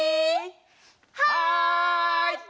はい！